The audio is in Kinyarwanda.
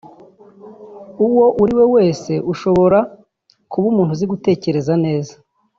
uwo uriwe wese ushobora kuba umuntu uzi gutekereza neza”